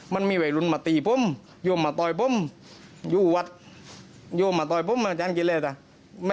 มันมีไวกลุงมาตีพร่มโยมมาตอยพร่ม